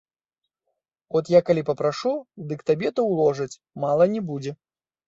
От я калі папрашу, дык табе то ўложаць, мала не будзе.